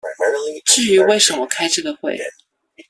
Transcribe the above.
至於為什麼開這個會